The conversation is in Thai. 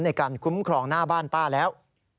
ในการคุ้มครองหน้าบ้านป้าแล้ว